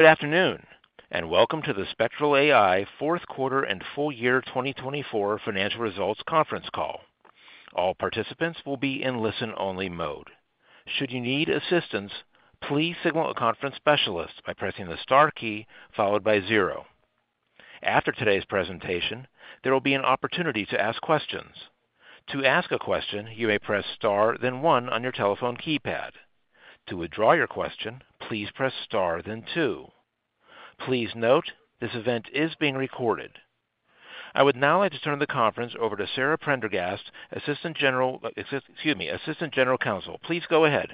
Good afternoon, and welcome to the Spectral AI Fourth Quarter and Full Year 2024 Financial Results Conference Call. All participants will be in listen-only mode. Should you need assistance, please signal a conference specialist by pressing the star key followed by zero. After today's presentation, there will be an opportunity to ask questions. To ask a question, you may press star, then one on your telephone keypad. To withdraw your question, please press star, then two. Please note, this event is being recorded. I would now like to turn the conference over to Sarah Prendergast, Assistant General Counsel. Please go ahead.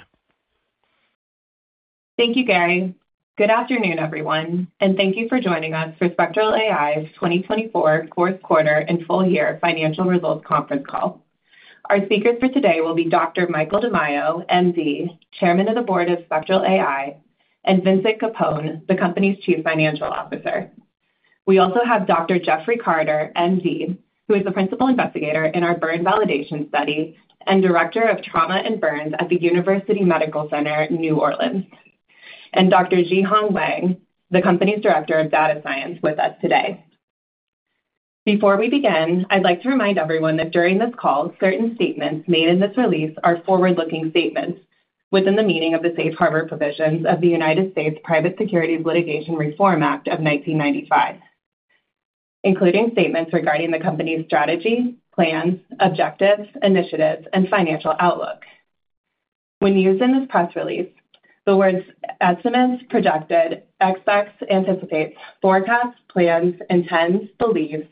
Thank you, Gary. Good afternoon, everyone, and thank you for joining us for Spectral AI's 2024 fourth quarter and full year financial results conference call. Our speakers for today will be Dr. Michael DiMaio, M.D., Chairman of the Board of Spectral AI, and Vincent Capone, the company's Chief Financial Officer. We also have Dr. Jeffrey Carter, M.D., who is the principal investigator in our burn validation study and director of trauma and burns at the University Medical Center, New Orleans, and Dr. Jihang Wang, the company's director of data science, with us today. Before we begin, I'd like to remind everyone that during this call, certain statements made in this release are forward-looking statements within the meaning of the safe harbor provisions of the United States Private Securities Litigation Reform Act of 1995, including statements regarding the company's strategy, plans, objectives, initiatives, and financial outlook. When used in this press release, the words estimates, projected, expects, anticipates, forecasts, plans, intends, believes,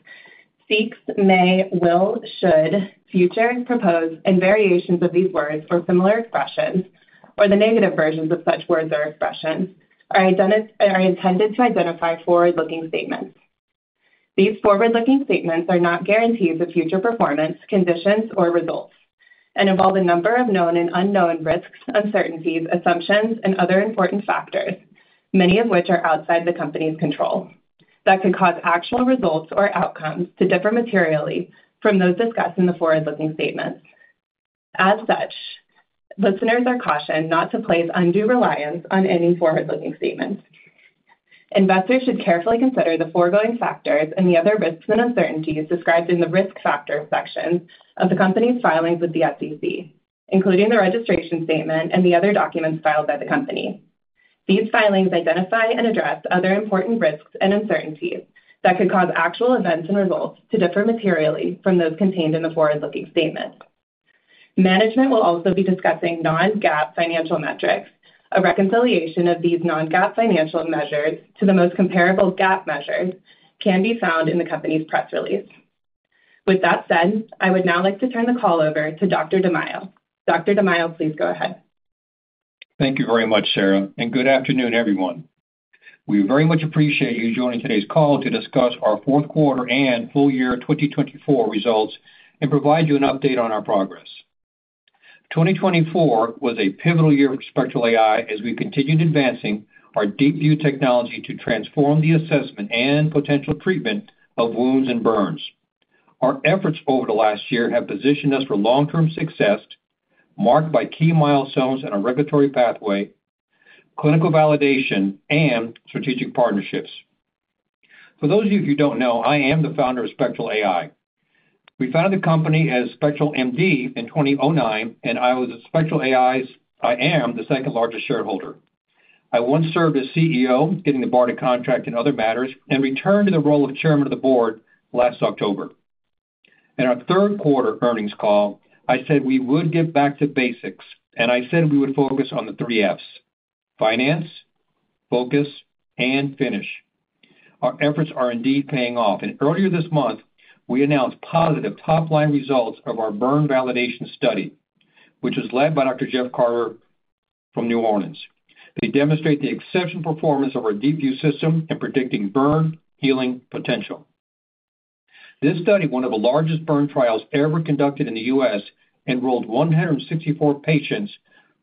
seeks, may, will, should, future, propose, and variations of these words or similar expressions, or the negative versions of such words or expressions, are intended to identify forward-looking statements. These forward-looking statements are not guarantees of future performance, conditions, or results, and involve a number of known and unknown risks, uncertainties, assumptions, and other important factors, many of which are outside the company's control, that could cause actual results or outcomes to differ materially from those discussed in the forward-looking statements. As such, listeners are cautioned not to place undue reliance on any forward-looking statements. Investors should carefully consider the foregoing factors and the other risks and uncertainties described in the risk factor sections of the company's filings with the SEC, including the registration statement and the other documents filed by the company. These filings identify and address other important risks and uncertainties that could cause actual events and results to differ materially from those contained in the forward-looking statements. Management will also be discussing non-GAAP financial metrics. A reconciliation of these non-GAAP financial measures to the most comparable GAAP measures can be found in the company's press release. With that said, I would now like to turn the call over to Dr. DiMaio. Dr. DiMaio, please go ahead. Thank you very much, Sarah, and good afternoon, everyone. We very much appreciate you joining today's call to discuss our fourth quarter and full year 2024 results and provide you an update on our progress. 2024 was a pivotal year for Spectral AI as we continued advancing our DeepView technology to transform the assessment and potential treatment of wounds and burns. Our efforts over the last year have positioned us for long-term success marked by key milestones and a regulatory pathway, clinical validation, and strategic partnerships. For those of you who do not know, I am the founder of Spectral AI. We founded the company as Spectral M.D. in 2009, and I was at Spectral AI's—I am the second largest shareholder. I once served as CEO, getting the BARDA contract in other matters, and returned to the role of Chairman of the Board last October. In our third quarter earnings call, I said we would get back to basics, and I said we would focus on the three Fs: finance, focus, and finish. Our efforts are indeed paying off, and earlier this month, we announced positive top-line results of our burn validation study, which was led by Dr. Jeff Carter from New Orleans. They demonstrate the exceptional performance of our DeepView System in predicting burn healing potential. This study, one of the largest burn trials ever conducted in the U.S., enrolled 164 patients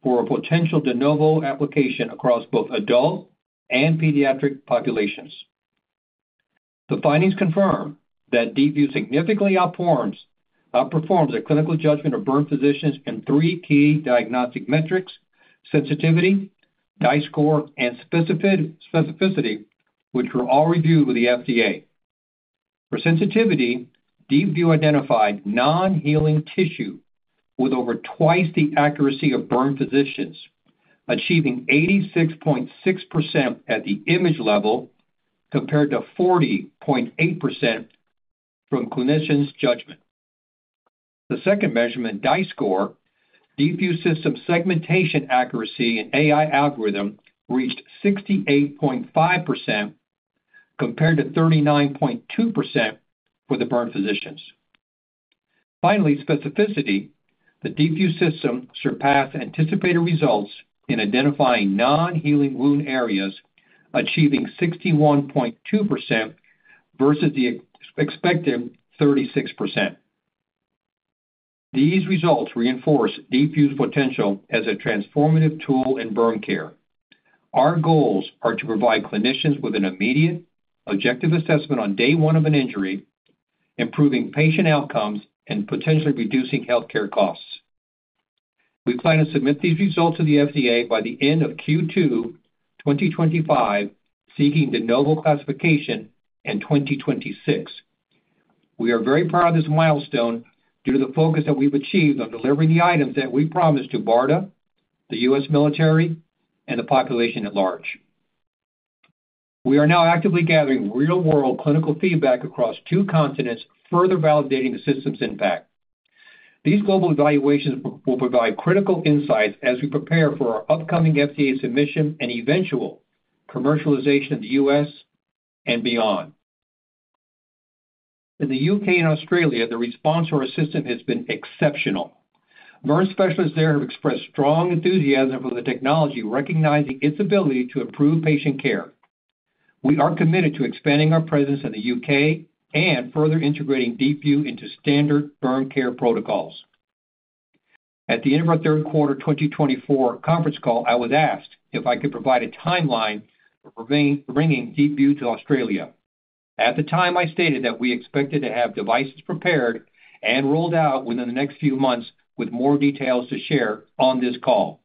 for a potential de novo application across both adult and pediatric populations. The findings confirm that DeepView significantly outperforms the clinical judgment of burn physicians in three key diagnostic metrics: sensitivity, Dice score, and specificity, which were all reviewed with the FDA. For sensitivity, DeepView identified non-healing tissue with over twice the accuracy of burn physicians, achieving 86.6% at the image level compared to 40.8% from clinicians' judgment. The second measurement, Dice score, DeepView System segmentation accuracy and AI algorithm reached 68.5% compared to 39.2% for the burn physicians. Finally, specificity, the DeepView System surpassed anticipated results in identifying non-healing wound areas, achieving 61.2% versus the expected 36%. These results reinforce DeepView's potential as a transformative tool in burn care. Our goals are to provide clinicians with an immediate, objective assessment on day one of an injury, improving patient outcomes, and potentially reducing healthcare costs. We plan to submit these results to the FDA by the end of Q2 2025, seeking de novo classification in 2026. We are very proud of this milestone due to the focus that we've achieved on delivering the items that we promised to BARDA, the U.S. military, and the population at large. We are now actively gathering real-world clinical feedback across two continents, further validating the system's impact. These global evaluations will provide critical insights as we prepare for our upcoming FDA submission and eventual commercialization in the U.S. and beyond. In the U.K. and Australia, the response to our system has been exceptional. Burn specialists there have expressed strong enthusiasm for the technology, recognizing its ability to improve patient care. We are committed to expanding our presence in the U.K. and further integrating DeepView into standard burn care protocols. At the end of our Third Quarter 2024 conference call, I was asked if I could provide a timeline for bringing DeepView to Australia. At the time, I stated that we expected to have devices prepared and rolled out within the next few months, with more details to share on this call.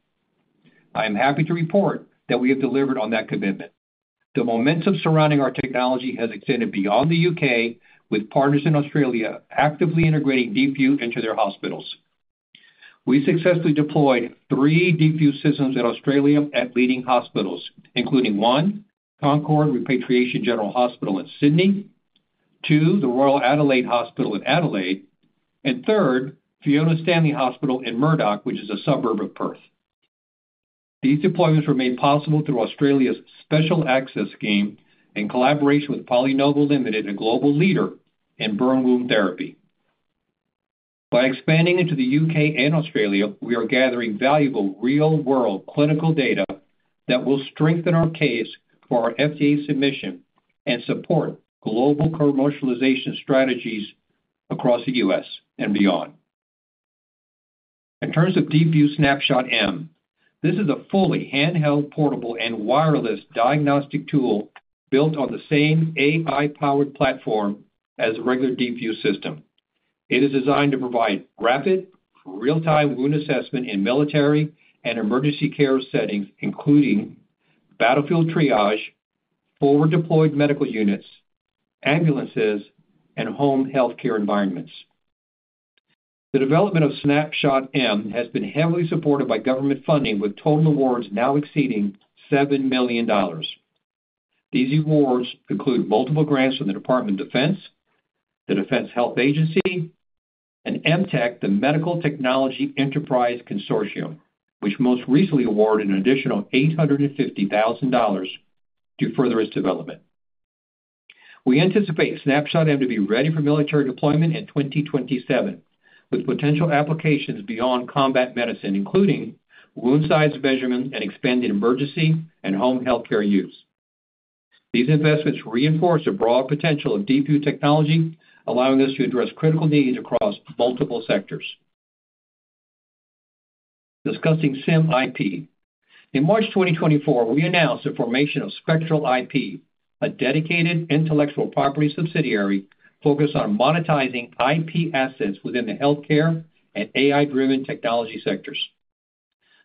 I am happy to report that we have delivered on that commitment. The momentum surrounding our technology has extended beyond the U.K., with partners in Australia actively integrating DeepView into their hospitals. We successfully deployed three DeepView Systems in Australia at leading hospitals, including one, Concord Repatriation General Hospital in Sydney; two, the Royal Adelaide Hospital in Adelaide; and third, Fiona Stanley Hospital in Murdoch, which is a suburb of Perth. These deployments were made possible through Australia's Special Access Scheme in collaboration with PolyNovo Ltd., a global leader in burn wound therapy. By expanding into the U.K. and Australia, we are gathering valuable real-world clinical data that will strengthen our case for our FDA submission and support global commercialization strategies across the U.S. and beyond. In terms of DeepView Snapshot M, this is a fully handheld, portable, and wireless diagnostic tool built on the same AI-powered platform as a regular DeepView System. It is designed to provide rapid, real-time wound assessment in military and emergency care settings, including battlefield triage, forward-deployed medical units, ambulances, and home healthcare environments. The development of Snapshot M has been heavily supported by government funding, with total awards now exceeding $7 million. These awards include multiple grants from the Department of Defense, the Defense Health Agency, and MTEC, the Medical Technology Enterprise Consortium, which most recently awarded an additional $850,000 to further its development. We anticipate Snapshot M to be ready for military deployment in 2027, with potential applications beyond combat medicine, including wound size measurement and expanded emergency and home healthcare use. These investments reinforce the broad potential of DeepView technology, allowing us to address critical needs across multiple sectors. Discussing SIM IP. In March 2024, we announced the formation of Spectral IP, a dedicated intellectual property subsidiary focused on monetizing IP assets within the healthcare and AI-driven technology sectors.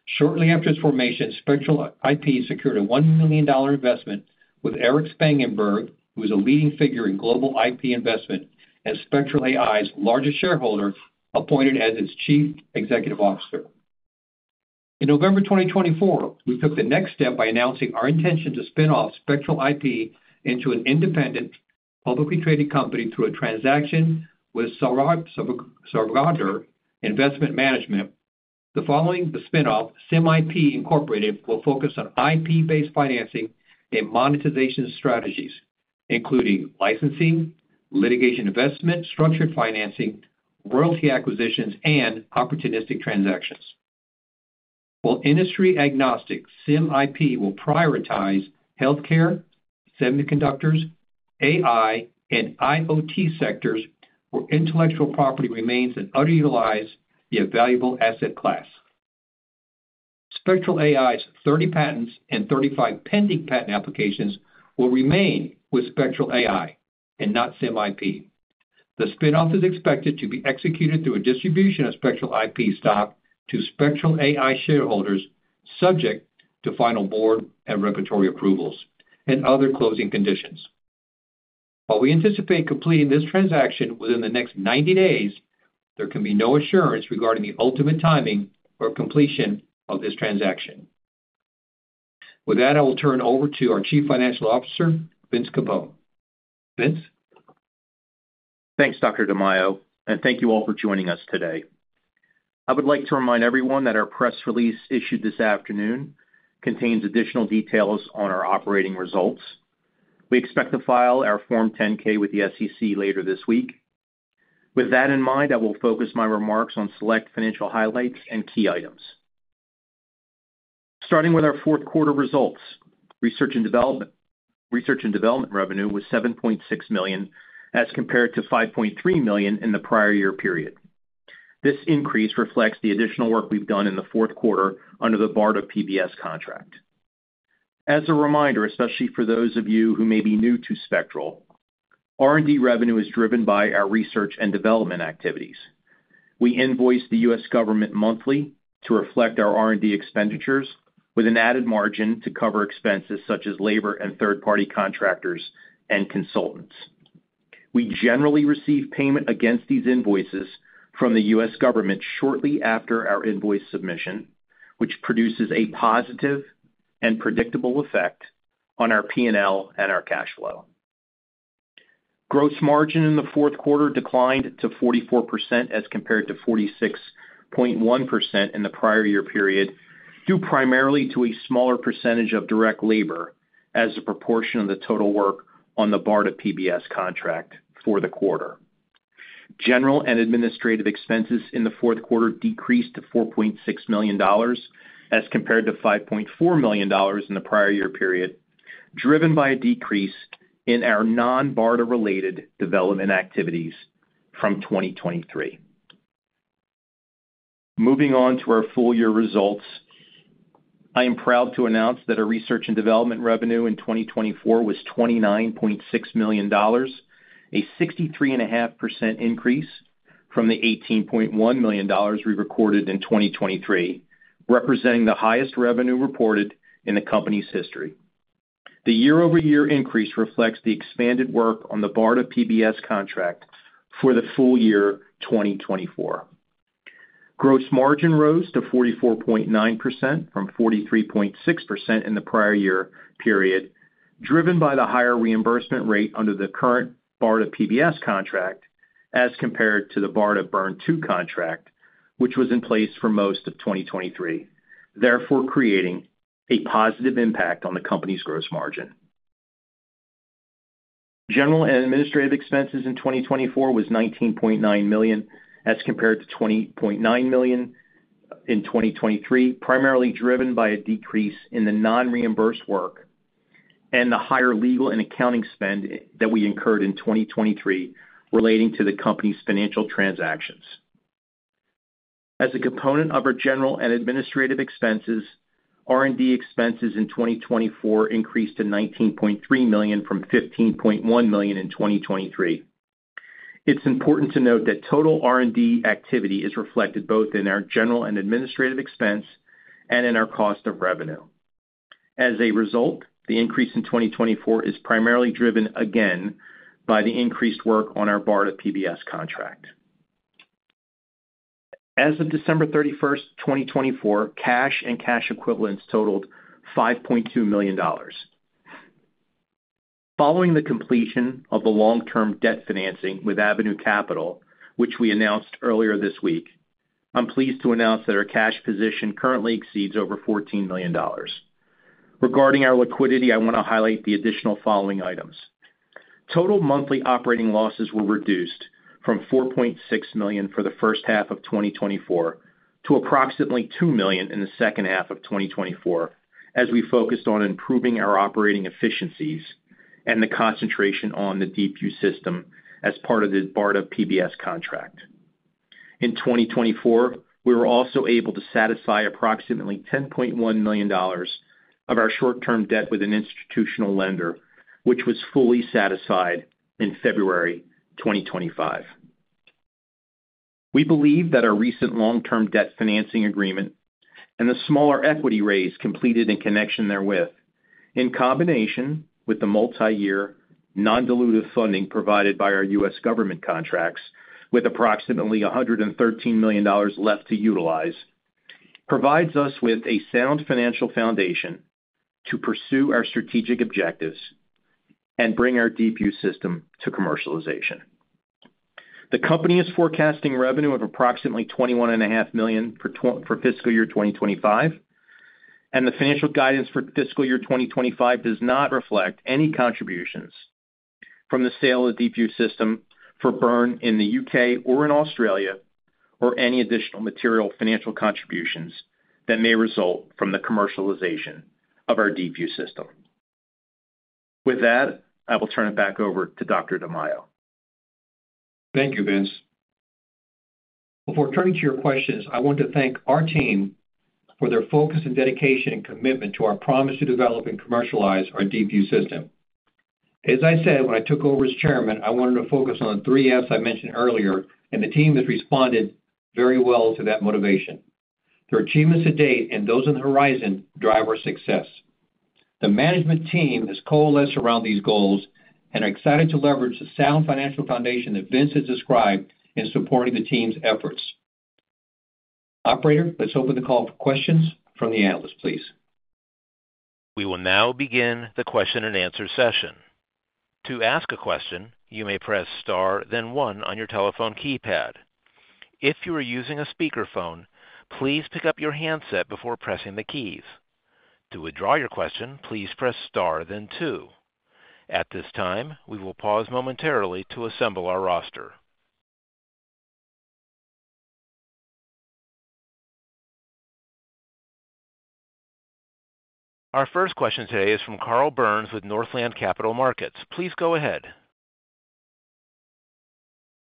Shortly after its formation, Spectral IP secured a $1 million investment with Eric Spangenberg, who is a leading figure in global IP investment and Spectral AI's largest shareholder, appointed as its Chief Executive Officer. In November 2024, we took the next step by announcing our intention to spin off Spectral IP into an independent publicly traded company through a transaction with Sagar Investment Management. The following spin-off, SIM IP Incorporated, will focus on IP-based financing and monetization strategies, including licensing, litigation investment, structured financing, royalty acquisitions, and opportunistic transactions. For industry agnostic, SIM IP will prioritize healthcare, semiconductors, AI, and IoT sectors where intellectual property remains an underutilized yet valuable asset class. Spectral AI's 30 patents and 35 pending patent applications will remain with Spectral AI and not SIM IP. The spin-off is expected to be executed through a distribution of Spectral IP stock to Spectral AI shareholders, subject to final board and regulatory approvals and other closing conditions. While we anticipate completing this transaction within the next 90 days, there can be no assurance regarding the ultimate timing or completion of this transaction. With that, I will turn it over to our Chief Financial Officer, Vincent Capone. Vince. Thanks, Dr. DiMaio, and thank you all for joining us today. I would like to remind everyone that our press release issued this afternoon contains additional details on our operating results. We expect to file our Form 10-K with the SEC later this week. With that in mind, I will focus my remarks on select financial highlights and key items. Starting with our fourth quarter results, research and development revenue was $7.6 million as compared to $5.3 million in the prior year period. This increase reflects the additional work we've done in the fourth quarter under the BARDA PBS contract. As a reminder, especially for those of you who may be new to Spectral AI, R&D revenue is driven by our research and development activities. We invoice the U.S. government monthly to reflect our R&D expenditures, with an added margin to cover expenses such as labor and third-party contractors and consultants. We generally receive payment against these invoices from the U.S. government shortly after our invoice submission, which produces a positive and predictable effect on our P&L and our cash flow. Gross margin in the fourth quarter declined to 44% as compared to 46.1% in the prior year period due primarily to a smaller percentage of direct labor as a proportion of the total work on the BARDA PBS contract for the quarter. General and administrative expenses in the fourth quarter decreased to $4.6 million as compared to $5.4 million in the prior year period, driven by a decrease in our non-BARDA-related development activities from 2023. Moving on to our full year results, I am proud to announce that our research and development revenue in 2024 was $29.6 million, a 63.5% increase from the $18.1 million we recorded in 2023, representing the highest revenue reported in the company's history. The year-over-year increase reflects the expanded work on the BARDA PBS contract for the full year 2024. Gross margin rose to 44.9% from 43.6% in the prior year period, driven by the higher reimbursement rate under the current BARDA PBS contract as compared to the BARDA Burn II contract, which was in place for most of 2023, therefore creating a positive impact on the company's gross margin. General and administrative expenses in 2024 was $19.9 million as compared to $20.9 million in 2023, primarily driven by a decrease in the non-reimbursed work and the higher legal and accounting spend that we incurred in 2023 relating to the company's financial transactions. As a component of our general and administrative expenses, R&D expenses in 2024 increased to $19.3 million from $15.1 million in 2023. It's important to note that total R&D activity is reflected both in our general and administrative expense and in our cost of revenue. As a result, the increase in 2024 is primarily driven again by the increased work on our BARDA PBS contract. As of December 31, 2024, cash and cash equivalents totaled $5.2 million. Following the completion of the long-term debt financing with Avenue Capital, which we announced earlier this week, I'm pleased to announce that our cash position currently exceeds $14 million. Regarding our liquidity, I want to highlight the additional following items. Total monthly operating losses were reduced from $4.6 million for the first half of 2024 to approximately $2 million in the second half of 2024 as we focused on improving our operating efficiencies and the concentration on the DeepView System as part of the BARDA PBS contract. In 2024, we were also able to satisfy approximately $10.1 million of our short-term debt with an institutional lender, which was fully satisfied in February 2025. We believe that our recent long-term debt financing agreement and the smaller equity raise completed in connection therewith, in combination with the multi-year non-dilutive funding provided by our U.S. government contracts with approximately $113 million left to utilize, provides us with a sound financial foundation to pursue our strategic objectives and bring our DeepView System to commercialization. The company is forecasting revenue of approximately $21.5 million for fiscal year 2025, and the financial guidance for fiscal year 2025 does not reflect any contributions from the sale of the DeepView System for burn in the U.K. or in Australia or any additional material financial contributions that may result from the commercialization of our DeepView System. With that, I will turn it back over to Dr. DiMaio. Thank you, Vince. Before turning to your questions, I want to thank our team for their focus and dedication and commitment to our promise to develop and commercialize our DeepView System. As I said, when I took over as Chairman, I wanted to focus on the three Fs I mentioned earlier, and the team has responded very well to that motivation. The achievements to date and those on the horizon drive our success. The management team has coalesced around these goals and are excited to leverage the sound financial foundation that Vince has described in supporting the team's efforts. Operator, let's open the call for questions from the analysts, please. We will now begin the question and answer session. To ask a question, you may press star, then one on your telephone keypad. If you are using a speakerphone, please pick up your handset before pressing the keys. To withdraw your question, please press star, then two. At this time, we will pause momentarily to assemble our roster. Our first question today is from Carl Byrnes with Northland Capital Markets. Please go ahead.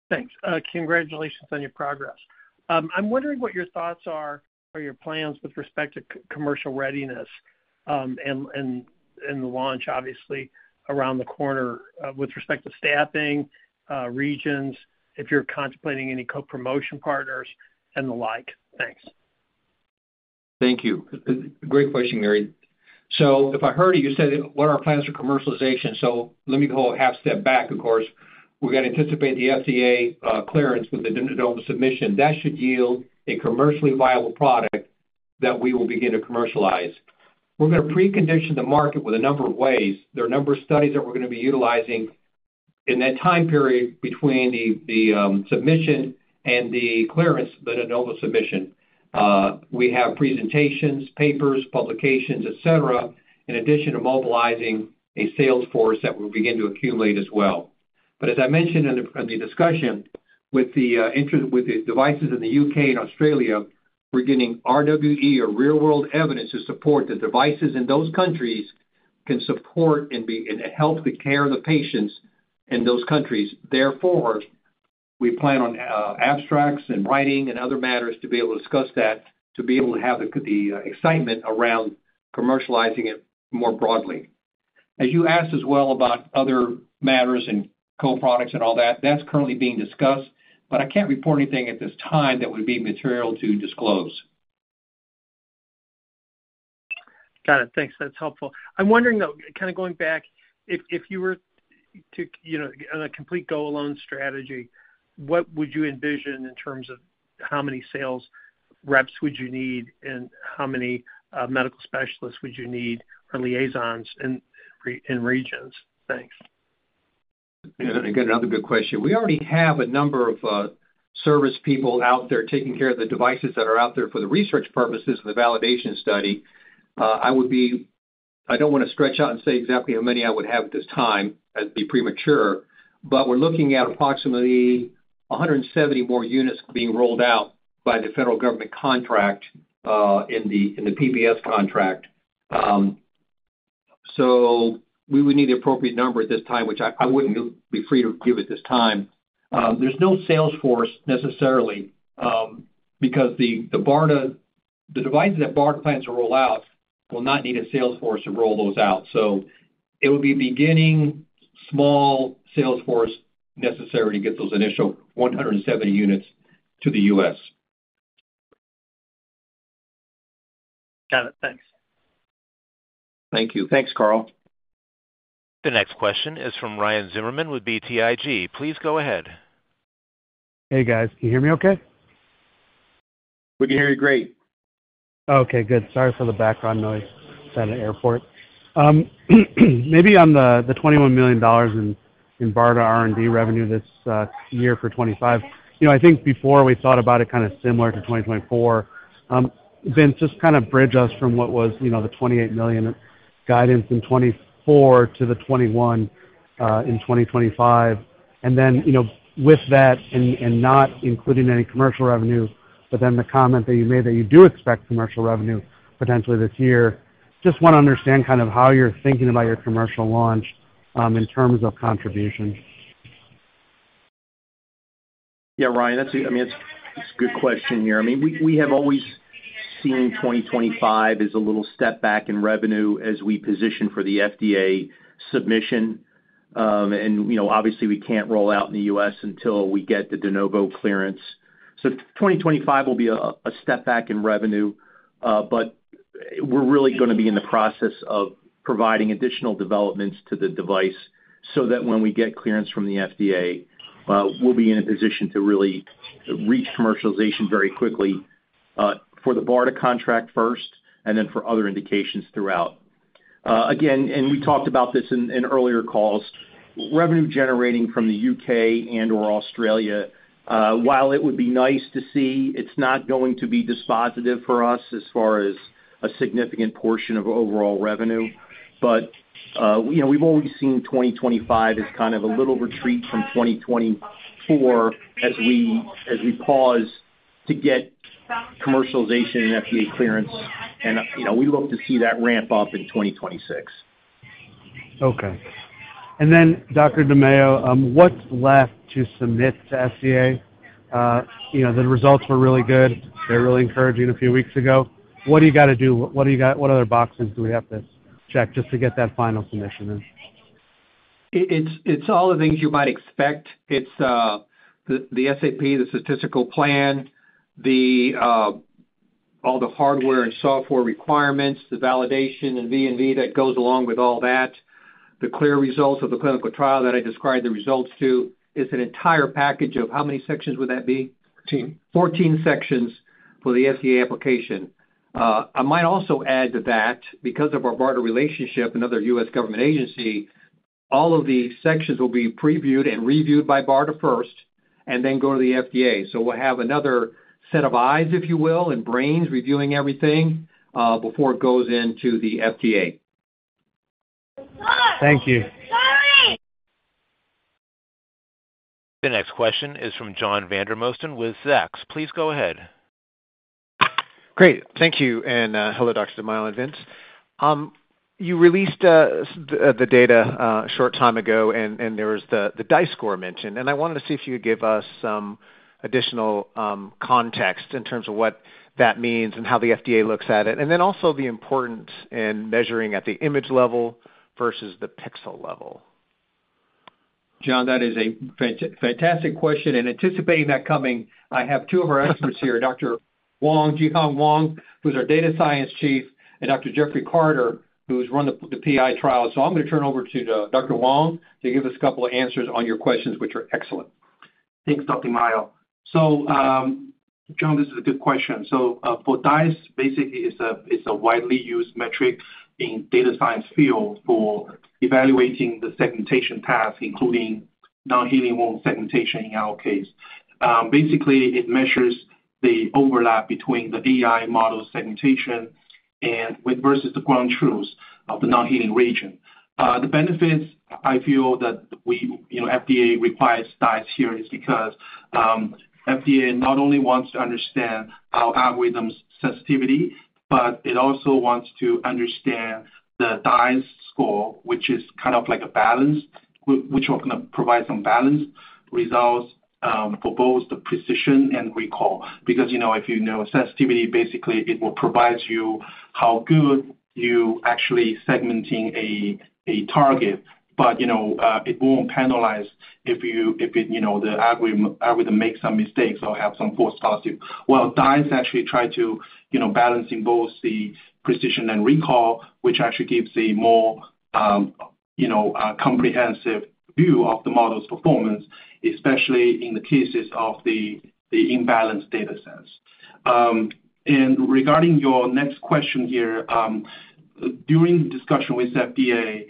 Thanks. Congratulations on your progress. I'm wondering what your thoughts are or your plans with respect to commercial readiness and the launch, obviously, around the corner with respect to staffing, regions, if you're contemplating any co-promotion partners and the like. Thanks. Thank you. Great question, Byrnes. If I heard you, you said, "What are our plans for commercialization?" Let me go a half step back, of course. We're going to anticipate the FDA clearance with the de novo submission. That should yield a commercially viable product that we will begin to commercialize. We're going to precondition the market with a number of ways. There are a number of studies that we're going to be utilizing in that time period between the submission and the clearance, the de novo submission. We have presentations, papers, publications, etc., in addition to mobilizing a sales force that we'll begin to accumulate as well. As I mentioned in the discussion with the devices in the U.K. and Australia, we're getting RWE or real-world evidence to support the devices in those countries can support and help the care of the patients in those countries. Therefore, we plan on abstracts and writing and other matters to be able to discuss that, to be able to have the excitement around commercializing it more broadly. As you asked as well about other matters and co-products and all that, that's currently being discussed, but I can't report anything at this time that would be material to disclose. Got it. Thanks. That's helpful. I'm wondering, though, kind of going back, if you were to have a complete goal-on strategy, what would you envision in terms of how many sales reps would you need and how many medical specialists would you need or liaisons in regions? Thanks. Again, another good question. We already have a number of service people out there taking care of the devices that are out there for the research purposes and the validation study. I do not want to stretch out and say exactly how many I would have at this time. That would be premature. We are looking at approximately 170 more units being rolled out by the federal government contract in the BARDA PBS contract. We would need the appropriate number at this time, which I would not be free to give at this time. There is no sales force necessarily because the devices that BARDA plans to roll out will not need a sales force to roll those out. It would be beginning small sales force necessary to get those initial 170 units to the U.S. Got it. Thanks. Thank you. Thanks, Carl. The next question is from Ryan Zimmerman with BTIG. Please go ahead. Hey, guys. Can you hear me okay? We can hear you great. Okay. Good. Sorry for the background noise at an airport. Maybe on the $21 million in BARDA R&D revenue this year for 2025, I think before we thought about it kind of similar to 2024. Vince, just kind of bridge us from what was the $28 million guidance in 2024 to the $21 million in 2025. With that, and not including any commercial revenue, but then the comment that you made that you do expect commercial revenue potentially this year, just want to understand kind of how you're thinking about your commercial launch in terms of contribution. Yeah, Ryan, I mean, it's a good question here. I mean, we have always seen 2025 as a little step back in revenue as we position for the FDA submission. Obviously, we can't roll out in the U.S. until we get the de novo clearance. 2025 will be a step back in revenue, but we're really going to be in the process of providing additional developments to the device so that when we get clearance from the FDA, we'll be in a position to really reach commercialization very quickly for the BARDA contract first and then for other indications throughout. Again, and we talked about this in earlier calls, revenue generating from the U.K. and/or Australia, while it would be nice to see, it's not going to be dispositive for us as far as a significant portion of overall revenue. We have always seen 2025 as kind of a little retreat from 2024 as we pause to get commercialization and FDA clearance. We look to see that ramp up in 2026. Okay. Dr. DiMaio, what's left to submit to FDA? The results were really good. They were really encouraging a few weeks ago. What do you got to do? What other boxes do we have to check just to get that final submission in? It's all the things you might expect. It's the SAP, the statistical plan, all the hardware and software requirements, the validation and V&V that goes along with all that, the clear results of the clinical trial that I described the results to. It's an entire package of how many sections would that be? 14. 14 sections for the FDA application. I might also add to that, because of our BARDA relationship and other U.S. government agency, all of the sections will be previewed and reviewed by BARDA first and then go to the FDA. We will have another set of eyes, if you will, and brains reviewing everything before it goes into the FDA. Thank you. The next question is from John Vandermosten with Zacks. Please go ahead. Great. Thank you. Hello, Dr. DiMaio and Vince. You released the data a short time ago, and there was the Dice score mentioned. I wanted to see if you could give us some additional context in terms of what that means and how the FDA looks at it, and then also the importance in measuring at the image level versus the pixel level. John, that is a fantastic question. Anticipating that coming, I have two of our experts here, Dr. Jihang Wang, who's our data science chief, and Dr. Jeffrey Carter, who's run the PI trial. I am going to turn over to Dr. Wang to give us a couple of answers on your questions, which are excellent. Thanks, Dr. DiMaio. John, this is a good question. For Dice score, basically, it's a widely used metric in the data science field for evaluating the segmentation task, including non-healing wound segmentation in our case. Basically, it measures the overlap between the AI model segmentation versus the ground truth of the non-healing region. The benefits I feel that the FDA requires Dice score here is because FDA not only wants to understand our algorithm's sensitivity, but it also wants to understand the Dice score score, which is kind of like a balance, which will provide some balanced results for both the precision and recall. Because if you know sensitivity, basically, it will provide you how good you are actually segmenting a target, but it won't penalize if the algorithm makes some mistakes or has some false positive. Dice actually tries to balance both the precision and recall, which actually gives a more comprehensive view of the model's performance, especially in the cases of the imbalanced data sets. Regarding your next question here, during the discussion with FDA,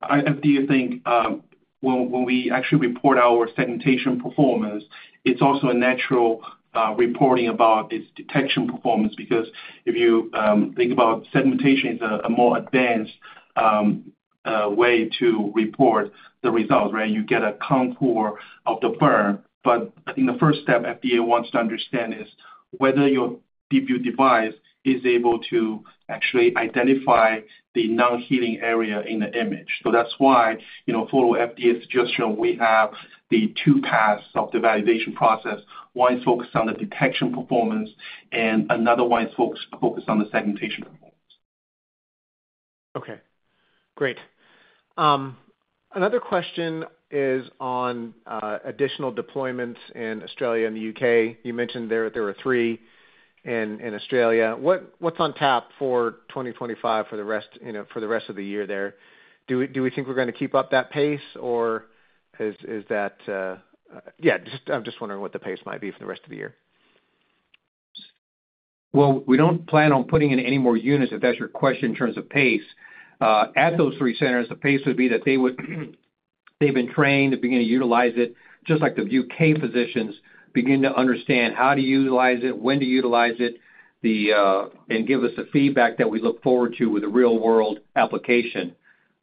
I do think when we actually report our segmentation performance, it's also a natural reporting about its detection performance because if you think about segmentation as a more advanced way to report the results, right, you get a contour of the burn. I think the first step FDA wants to understand is whether your DeepView device is able to actually identify the non-healing area in the image. That's why following FDA's suggestion, we have the two paths of the validation process. One is focused on the detection performance, and another one is focused on the segmentation performance. Okay. Great. Another question is on additional deployments in Australia and the U.K. You mentioned there were three in Australia. What's on tap for 2025 for the rest of the year there? Do we think we're going to keep up that pace, or is that—yeah, I'm just wondering what the pace might be for the rest of the year. We don't plan on putting in any more units, if that's your question, in terms of pace. At those three centers, the pace would be that they've been trained to begin to utilize it, just like the U.K. physicians begin to understand how to utilize it, when to utilize it, and give us the feedback that we look forward to with the real-world application.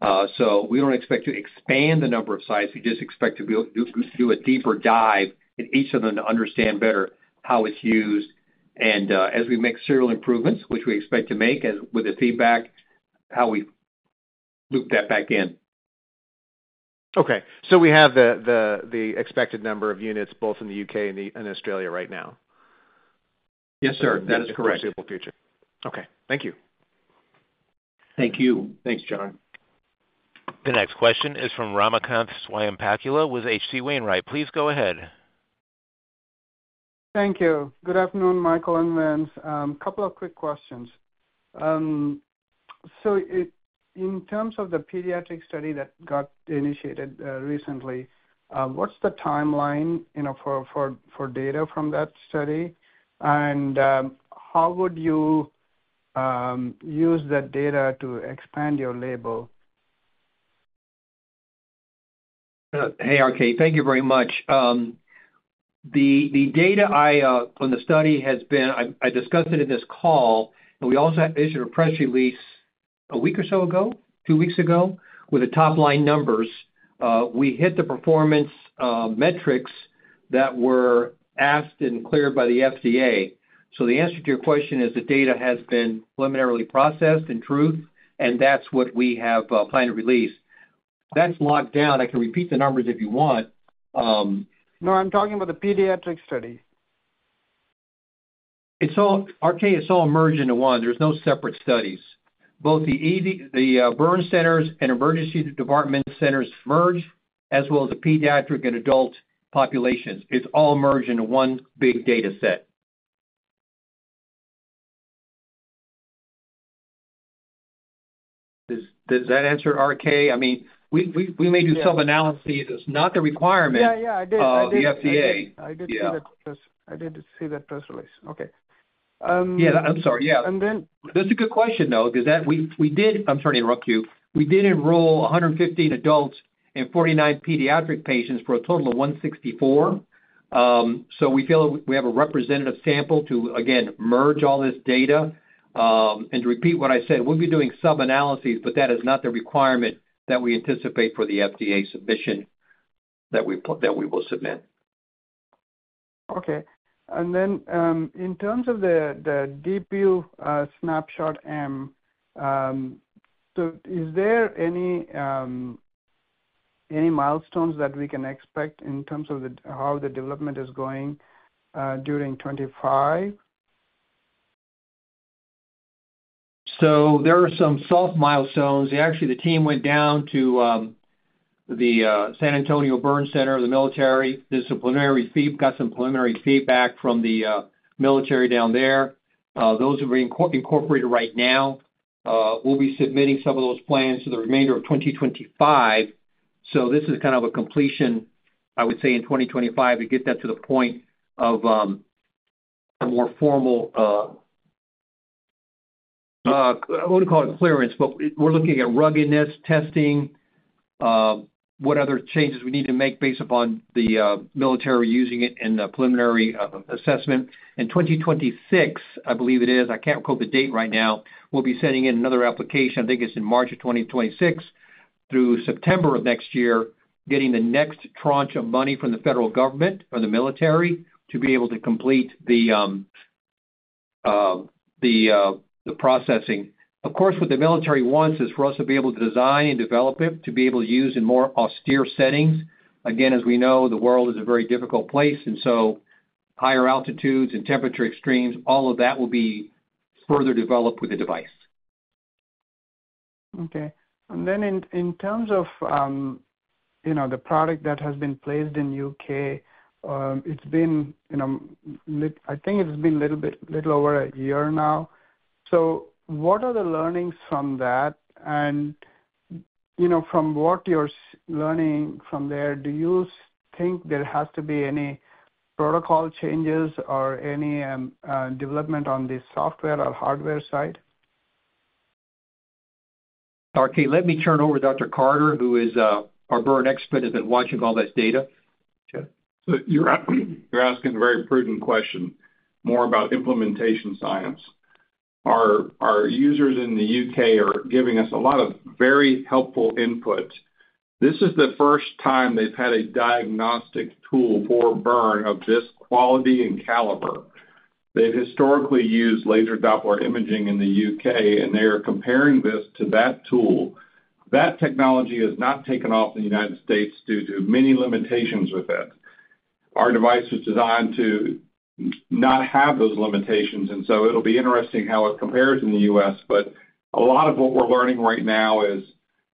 We don't expect to expand the number of sites. We just expect to do a deeper dive in each of them to understand better how it's used. As we make serial improvements, which we expect to make with the feedback, how we loop that back in. Okay. We have the expected number of units both in the U.K. and Australia right now. Yes, sir. That is correct. In the foreseeable future. Okay. Thank you. Thank you. Thanks, John. The next question is from Ramakanth Swayampakula with HC Wainwright. Please go ahead. Thank you. Good afternoon, Michael and Vince. A couple of quick questions. In terms of the pediatric study that got initiated recently, what's the timeline for data from that study? How would you use that data to expand your label? Hey, RK, thank you very much. The data on the study has been—I discussed it in this call. We also issued a press release a week or so ago, two weeks ago, with the top-line numbers. We hit the performance metrics that were asked and cleared by the FDA. The answer to your question is the data has been preliminarily processed and truth, and that's what we have planned to release. That's locked down. I can repeat the numbers if you want. No, I'm talking about the pediatric study. RK, it's all merged into one. There's no separate studies. Both the burn centers and emergency department centers merge, as well as the pediatric and adult populations. It's all merged into one big data set. Does that answer, RK? I mean, we may do some analyses. It's not the requirement. Yeah, yeah. I did. I did see that press release. Oh, the FDA. Yeah. I did see that press release. Okay. Yeah. I'm sorry. Yeah. That's a good question, though, because we did—I'm sorry to interrupt you. We did enroll 115 adults and 49 pediatric patients for a total of 164. So we feel we have a representative sample to, again, merge all this data and to repeat what I said. We'll be doing sub-analyses, but that is not the requirement that we anticipate for the FDA submission that we will submit. Okay. In terms of the DeepView Snapshot M, is there any milestones that we can expect in terms of how the development is going during 2025? There are some soft milestones. Actually, the team went down to the San Antonio Burn Center, the military. The disciplinary team got some preliminary feedback from the military down there. Those are being incorporated right now. We'll be submitting some of those plans for the remainder of 2025. This is kind of a completion, I would say, in 2025 to get that to the point of a more formal—I wouldn't call it clearance, but we're looking at ruggedness testing, what other changes we need to make based upon the military using it in the preliminary assessment. In 2026, I believe it is. I can't recall the date right now. We'll be sending in another application. I think it's in March of 2026 through September of next year, getting the next tranche of money from the federal government or the military to be able to complete the processing. Of course, what the military wants is for us to be able to design and develop it to be able to use in more austere settings. Again, as we know, the world is a very difficult place. Higher altitudes and temperature extremes, all of that will be further developed with the device. Okay. In terms of the product that has been placed in the U.K., it's been—I think it's been a little over a year now. What are the learnings from that? From what you're learning from there, do you think there has to be any protocol changes or any development on the software or hardware side? RK, let me turn over to Dr. Carter, who is our burn expert, has been watching all this data. You're asking a very prudent question more about implementation science. Our users in the U.K. are giving us a lot of very helpful input. This is the first time they've had a diagnostic tool for burn of this quality and caliber. They've historically used laser Doppler imaging in the U.K., and they are comparing this to that tool. That technology has not taken off in the United States due to many limitations with it. Our device was designed to not have those limitations, and so it'll be interesting how it compares in the U.S., but a lot of what we're learning right now is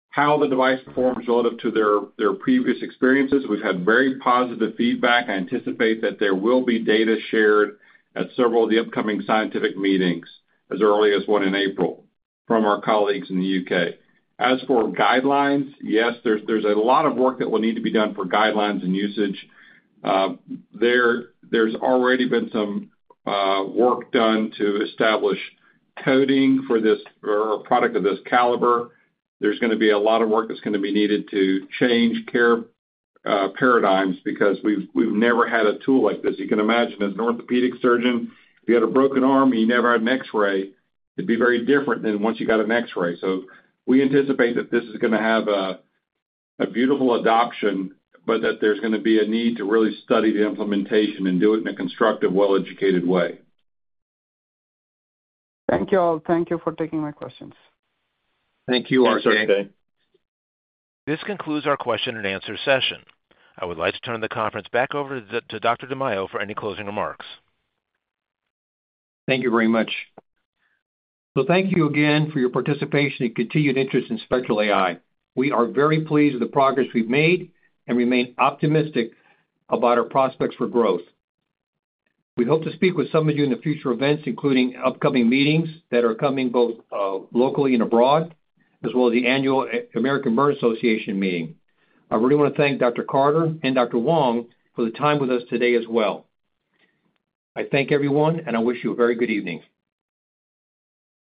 how the device performs relative to their previous experiences. We've had very positive feedback. I anticipate that there will be data shared at several of the upcoming scientific meetings, as early as one in April, from our colleagues in the U.K. As for guidelines, yes, there's a lot of work that will need to be done for guidelines and usage. There's already been some work done to establish coding for this product of this caliber. There's going to be a lot of work that's going to be needed to change care paradigms because we've never had a tool like this. You can imagine, as an orthopedic surgeon, if you had a broken arm, you never had an X-ray. It'd be very different than once you got an X-ray. We anticipate that this is going to have a beautiful adoption, but that there's going to be a need to really study the implementation and do it in a constructive, well-educated way. Thank you all. Thank you for taking my questions. Thank you, RK. This concludes our question-and-answer session. I would like to turn the conference back over to Dr. DiMaio for any closing remarks. Thank you very much. Thank you again for your participation and continued interest in Spectral AI. We are very pleased with the progress we've made and remain optimistic about our prospects for growth. We hope to speak with some of you in future events, including upcoming meetings that are coming both locally and abroad, as well as the annual American Burn Association meeting. I really want to thank Dr. Carter and Dr. Wang for the time with us today as well. I thank everyone, and I wish you a very good evening.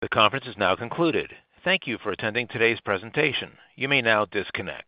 The conference is now concluded. Thank you for attending today's presentation. You may now disconnect.